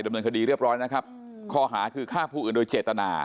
ดำเนินคดีเรียบร้อยนะครับข้อหาคือฆ่าผู้อื่นโดยเจตนา